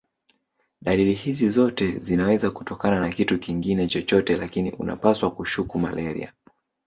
Dalili hizi zote zinaweza kutokana na kitu kingine chochote lakini unapaswa kushuku malaria